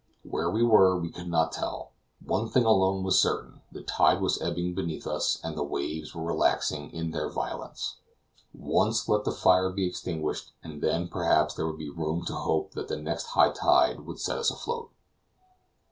Where we were we could not tell. One thing alone was certain; the tide was ebbing beneath us, and the waves were relaxing in their violence. Once let the fire be extinguished, and then, perhaps, there would be room to hope that the next high tide would set us afloat.